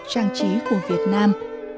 trang trí của việt nam